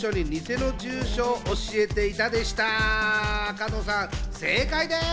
加藤さん、正解です！